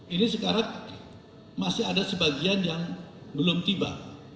ini sekarang masih ada sebagian yang belum tiba